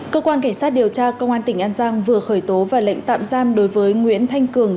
cơ quan cảnh sát điều tra công an tỉnh an giang vừa khởi tố và lệnh tạm giam đối với nguyễn thanh cường